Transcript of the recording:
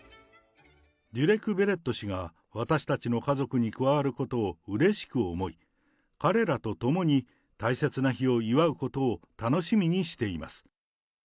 デュレク・ベレット氏が私たちの家族に加わることをうれしく思い、彼らと共に大切な日を祝うことを楽しみにしています。